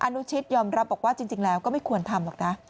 นุชิตยอมรับบอกว่าจริงแล้วก็ไม่ควรทำหรอกนะ